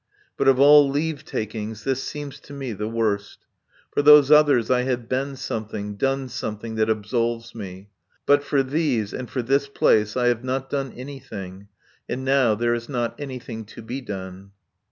But of all leave takings this seems to me the worst. For those others I have been something, done something that absolves me. But for these and for this place I have not done anything, and now there is not anything to be done.